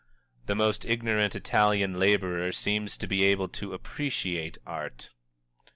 "_The most ignorant Italian laborer seems to be able to appreciate art.